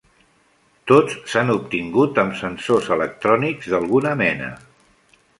Tots s'han obtingut amb sensors electrònics d'alguna mena.